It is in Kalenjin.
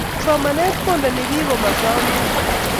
Somanet kundeni piik komasomkii